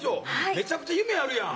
めちゃくちゃ夢あるやん。